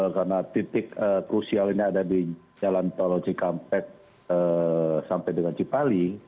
karena titik krusial ini ada di jalan teologi kampet sampai dengan cipali